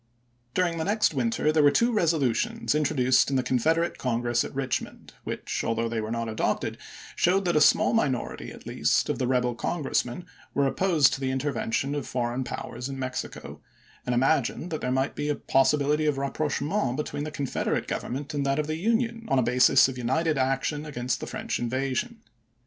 422 ABKAHAM LINCOLN chap. xiv. During the next winter there were two resolutions introduced in the Confederate Congress at Kichmond which, although they were not adopted, showed that a small minority at least of the rebel Congress men were opposed to the intervention of foreign powers in Mexico, and imagined that there might be a possibility of rapprochement between the Confederate Government and that of the Union on a basis of united action against the French inva sion.